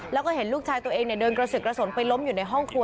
แล้วก็เห็นลูกชายตัวเองเดินกระสือกระสนไปล้มอยู่ในห้องครัว